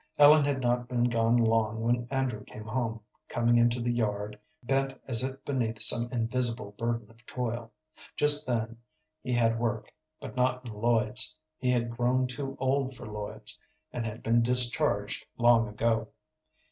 Ellen had not been gone long when Andrew came home, coming into the yard, bent as if beneath some invisible burden of toil. Just then he had work, but not in Lloyd's. He had grown too old for Lloyd's, and had been discharged long ago.